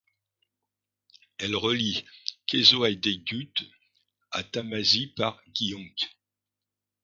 Elle relie Keszőhidegkút à Tamási par Gyönk.